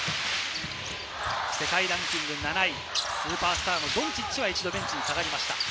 世界ランキング７位、スーパースターのドンチッチは一度ベンチに下がりました。